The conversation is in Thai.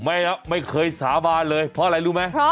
ไม่เคยสาบานเลยเพราะอะไรรู้ไหม